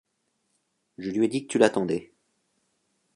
Je lui ai dit que tu l'attendais.